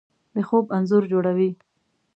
د خوب انځور جوړوي